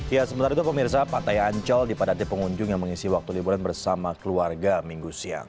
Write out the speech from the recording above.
ya sementara itu pemirsa pantai ancol dipadati pengunjung yang mengisi waktu liburan bersama keluarga minggu siang